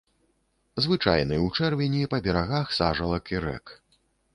Звычайны ў чэрвені па берагах сажалак і рэк.